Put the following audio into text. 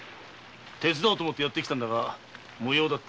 手伝おうと思ってやってきたが無用だった。